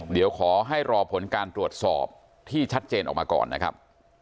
เดี๋ยวขอให้รอผลการตรวจสอบที่ชัดเจนออกมาก่อนนะครับ